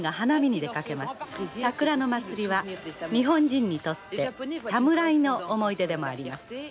桜の祭りは日本人にとって侍の思い出でもあります。